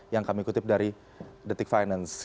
yang kami kutip dari detik finance